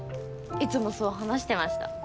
いつもそう話してました。